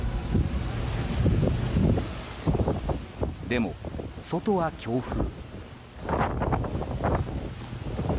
でも、外は強風。